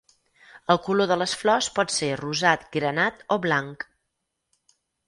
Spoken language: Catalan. El color de les flors pot ser rosat, granat o blanc.